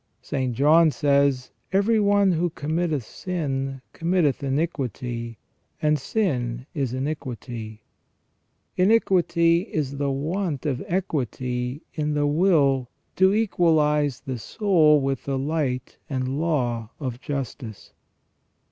St. John says :" Every one who committeth sin, committeth iniquity : and sin is iniquity ". Iniquity is the want of equity in the will to equalise the soul with the light and law of justice.